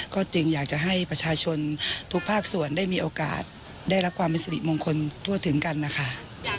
ก็จึงอยากจะให้ประชาชนทุกภาคส่วนได้มีโอกาสได้รับความเป็นสิริมงคลทั่วถึงกันนะคะ